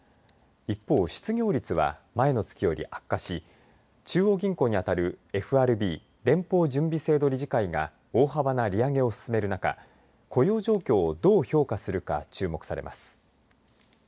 一方、失業率は前の月より悪化し中央銀行に当たるＦＲＢ、連邦準備制度理事会が大幅な利上げを進める中雇用状況をどう評価するか注目されます。